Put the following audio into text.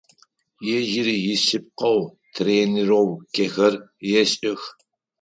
Ежьыри ишъыпкъэу тренировкэхэр ешӏых.